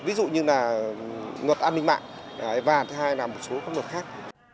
ví dụ như là luật an ninh mạng và thứ hai là một số các luật khác